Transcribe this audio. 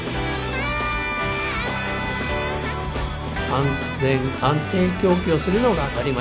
安全・安定供給をするのが当たり前と。